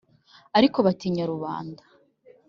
Ariko batinya rubanda.